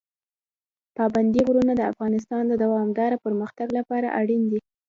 پابندي غرونه د افغانستان د دوامداره پرمختګ لپاره اړین دي.